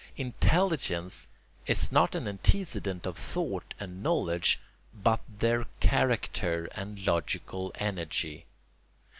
Intelligence is not an antecedent of thought and knowledge but their character and logical energy.